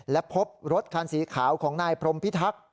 และพบรถคันสีขาวของนายพรมพิทักษ์